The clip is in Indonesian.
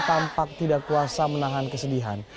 tampak tidak kuasa menahan kesedihan